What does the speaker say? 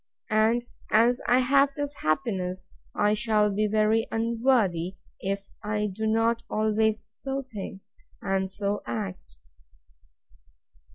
And, as I have this happiness, I shall be very unworthy, if I do not always so think, and so act.